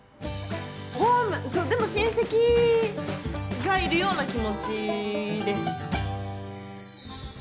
ホームでも親戚がいるような気持ちです。